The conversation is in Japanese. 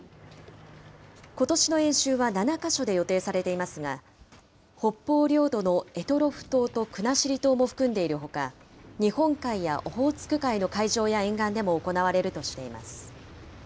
ことしの演習は７か所で予定されていますが、北方領土の択捉島と国後島も含んでいるほか、日本海やオホーツク海の海上や沿岸でも行われるとしています。